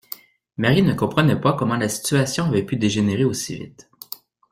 Marie ne comprenait pas comment la situation avait pu dégénérer aussi vite.